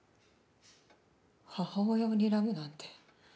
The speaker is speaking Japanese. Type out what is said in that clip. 母親をにらむなんて。